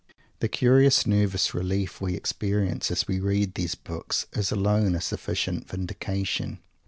The curious nervous relief we experience as we read these books is alone a sufficient vindication.